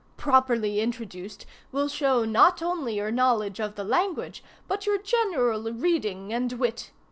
Properly introduced, will show not only your knowledge of the language, but your general reading and wit.